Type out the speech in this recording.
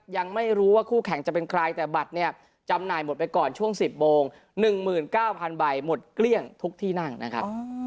ยังไม่รู้ว่าคู่แข่งจะเป็นใครแต่บัตรเนี่ยจำหน่ายหมดไปก่อนช่วง๑๐โมง๑๙๐๐ใบหมดเกลี้ยงทุกที่นั่งนะครับ